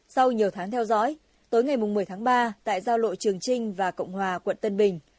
sau nhiều tháng theo dõi tối ngày một mươi tháng ba tại giao lộ trường trinh và cộng hòa quận tân bình